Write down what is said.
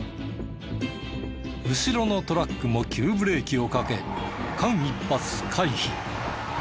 後ろのトラックも急ブレーキをかけ間一髪回避。